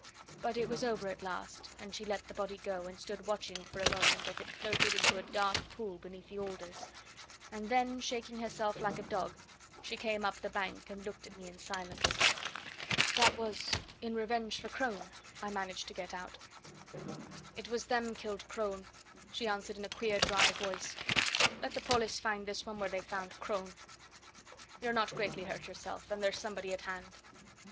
But it was over at last, and she let the body go, and stood watching for a moment as it floated into a dark pool beneath the alders; and then, shaking herself like a dog, she came up the bank and looked at me, in silence. "That was in revenge for Crone," I managed to get out. "It was them killed Crone," she answered in a queer dry voice. "Let the pollis find this one where they found Crone! You're not greatly hurt yourself and there's somebody at hand."